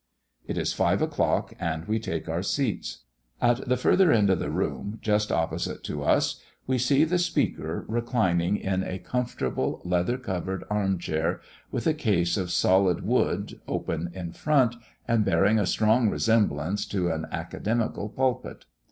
It is five o'clock, and we take our seats. At the further end of the room, just opposite to us, we see the Speaker reclining in a comfortable leather covered arm chair with a case of solid wood, open in front, and bearing a strong resemblance to an academical pulpit.